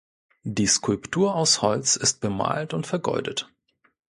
Die Skulptur aus Holz ist bemalt und vergoldet.